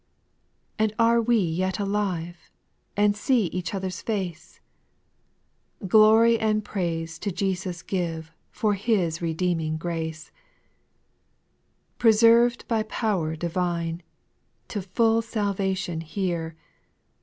A ND are we yet alive, J\. And see each other's face I Glory and praise to Jesus give For His redeeming grace I 2. Preserved by power divine, To full salvation here.